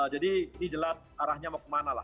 jadi ini jelas arahnya mau ke mana lah